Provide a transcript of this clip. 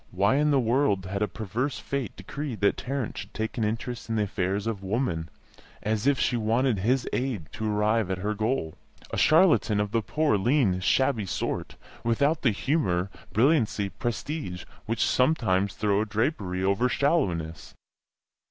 Why in the world had a perverse fate decreed that Tarrant should take an interest in the affairs of Woman as if she wanted his aid to arrive at her goal; a charlatan of the poor, lean, shabby sort, without the humour, brilliancy, prestige, which sometimes throw a drapery over shallowness?